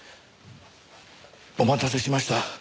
お待たせしました。